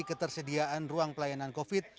ketersediaan ruang pelayanan covid